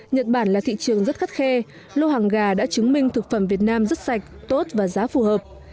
nhật bản là thị trường rất khắt khe lô hàng gà đã chứng minh thực phẩm việt nam rất sạch tốt và giá phù hợp